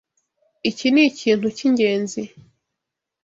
Iki nikintu cyingenzi.